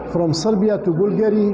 from serbia to bulgaria